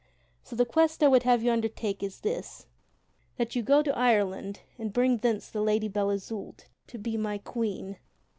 So the quest I would have you undertake is this: that you go to Ireland, and bring thence the Lady Belle Isoult to be my Queen.